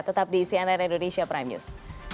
tetap di cnn indonesia prime news